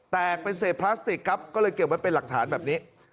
แตกเป็นเศษพลาสติกครับก็เลยเก็บไว้เป็นหลักฐานแบบนี้